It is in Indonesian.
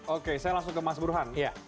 oke saya langsung ke mas burhan